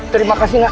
terima kasih nak